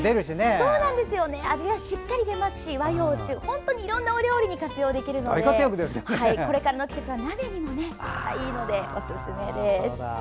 味がしっかり出ますし和洋中いろいろな料理に活用できこれからの季節は鍋にもいいのでおすすめです。